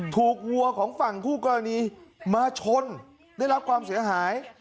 วัวของฝั่งคู่กรณีมาชนได้รับความเสียหาย